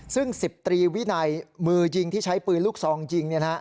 ซึ่ง๑๐ตรีวินัยมือยิงที่ใช้ปืนลูกซองยิง